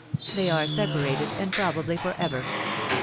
They are separated, and probably for ever.